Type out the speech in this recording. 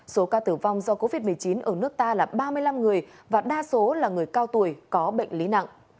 số ca tử vong do covid một mươi chín ở nước ta là ba mươi năm người và đa số là người cao tuổi có bệnh lý nặng